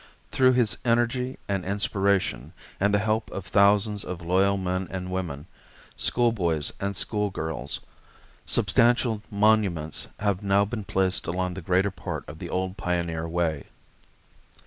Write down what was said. Through his energy and inspiration and the help of thousands of loyal men and women, school boys and school girls, substantial monuments have now been placed along the greater part of the old pioneer way.